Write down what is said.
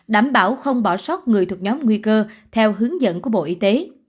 đảm bảo không bỏ sót người thuộc nhóm nguy cơ theo hướng dẫn của bộ y tế